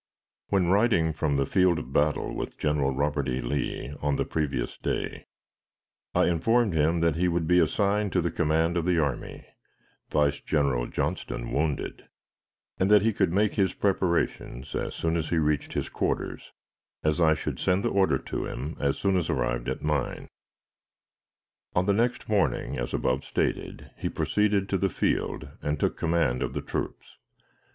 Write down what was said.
When riding from the field of battle with General Robert E. Lee on the previous day, I informed him that he would be assigned to the command of the army, vice General Johnston, wounded, and that he could make his preparations as soon as he reached his quarters, as I should send the order to him as soon as arrived at mine. On the next morning, as above stated, he proceeded to the field and took command of the troops.